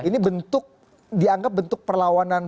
ini bentuk dianggap bentuk perlawanan